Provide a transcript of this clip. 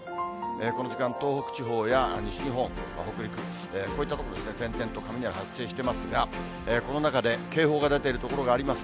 この時間、東北地方や西日本、北陸、こういった所ですね、点々と雷、発生してますが、この中で警報が出ている所があります。